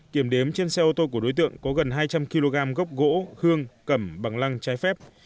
kiểm đếm trên xe ô tô của đối tượng có gần hai trăm linh kg gốc gỗ hương cầm bằng lăng trái phép